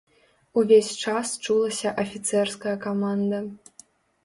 Увесь час чулася афіцэрская каманда.